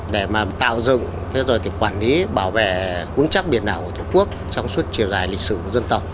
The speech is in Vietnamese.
để mà tạo dựng thế rồi thì quản lý bảo vệ vững chắc biển đảo của tổ quốc trong suốt chiều dài lịch sử dân tộc